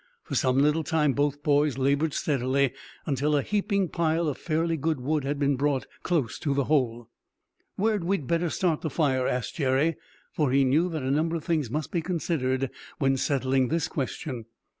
For some little time both boys labored steadily, until a heaping pile of fairly good wood had been brought close to the hole. "Where'd we better start the fire?" asked Jerry, for he knew that a number of things must be considered when settling this question.